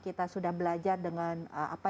kita sudah belajar dengan apa